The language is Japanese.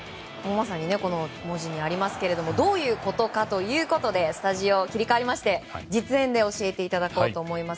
まさに文字にありますけれどもどういうことかということでスタジオ、切り替わりまして実演で教えていただこうと思います。